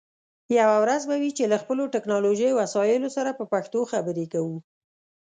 یوه ورځ به وي چې له خپلو ټکنالوژی وسایلو سره په پښتو خبرې کوو